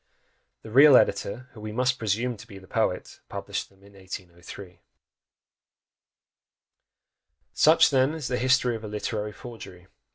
The real editor, who we must presume to be the poet, published them in 1803. Such, then, is the history of a literary forgery!